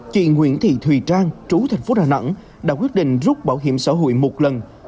chị nguyễn thị thùy trang trú thành phố đà nẵng đã quyết định rút bảo hiểm xã hội một lần